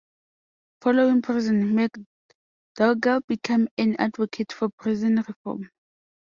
Following prison, McDougal became an advocate for prison reform.